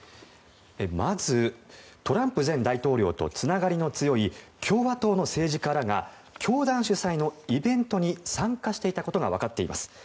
まず、トランプ前大統領とつながりの強い共和党の政治家らが、教団主催のイベントに参加していたことが分かっています。